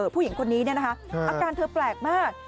ผู้หญิงคนนี้อาการเธอแปลกมาก